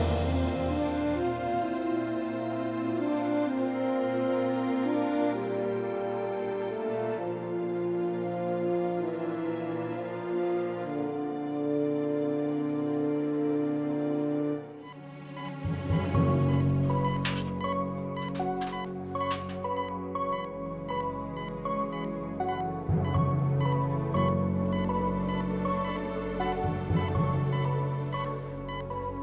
iya kita berdoa